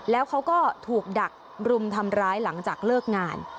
แล้วเขาก็ถูกดักรุมทำร้ายหลังจากเลิกงาน